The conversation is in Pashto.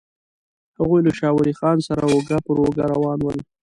هغوی له شاه ولي خان سره اوږه پر اوږه روان ول.